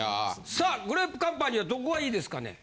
さあグレープカンパニーはどこがいいですかね？